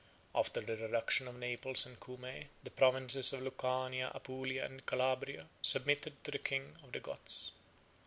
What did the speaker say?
After the reduction of Naples and Cumae, the provinces of Lucania, Apulia, and Calabria, submitted to the king of the Goths.